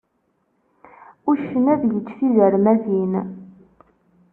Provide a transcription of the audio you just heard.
Uccen ad yečč tizermatin.